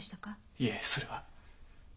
いえそれは。